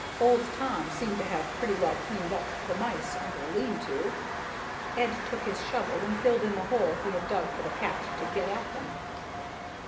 Old Tom seemed to have pretty well cleaned up the mice under the lean to. Ed took his shovel and filled in the hole he had dug for the cat to get at them.